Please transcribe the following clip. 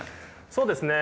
そうですね。